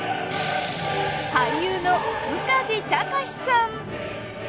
俳優の宇梶剛士さん。